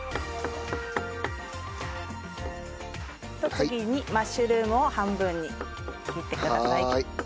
次にマッシュルームを半分に切ってください。